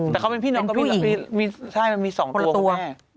แต่เขาเป็นพี่น้องกับพี่น้องมีสองตัวแม่